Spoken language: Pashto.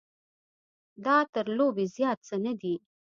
دا تر لوبې زیات څه نه دی.